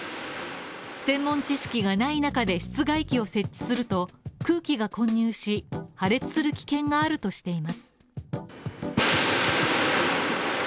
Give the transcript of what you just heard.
専門知識がない中で室外機を設置すると、空気が混入し破裂する危険があるとしています。